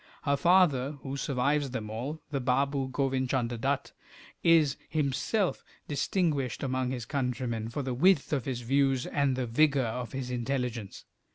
Her father, who survives them all, the Baboo Govin Chunder Dutt, is himself distinguished among his countrymen for the width of his views and the vigour of his intelligence.